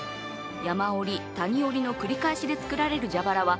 山折り、谷折りの繰り返しで作られる蛇腹は